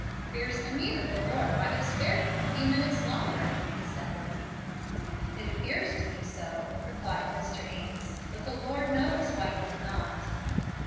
"'Pears to me that the Lord might have spared him a few minutes longer," he said. "It appears to you so," replied Mr. Ames, "but the Lord knows why he did not."